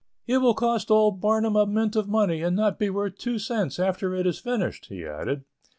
"It will cost old Barnum a mint of money, and not be worth two cents after it is finished," he added.